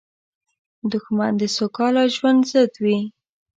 دښمن د سوکاله ژوند ضد وي